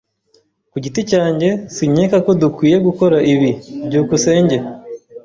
Ku giti cyanjye, sinkeka ko dukwiye gukora ibi. byukusenge